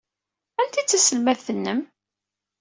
Anta ay d taselmadt-nnem?